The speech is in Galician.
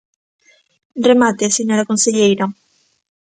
Remate, señora conselleira.